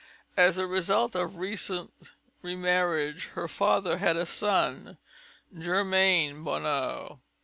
As a result of recent remarriage, her father had a son, Germain Bonheur.